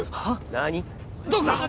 何⁉・どこだ